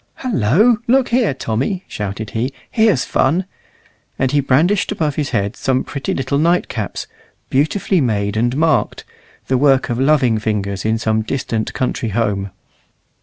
"Hullo! look here, Tommy," shouted he; "here's fun!" and he brandished above his head some pretty little night caps, beautifully made and marked, the work of loving fingers in some distant country home.